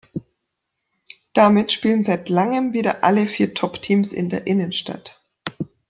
Damit spielen seit langem wieder alle vier Topteams in der Innenstadt.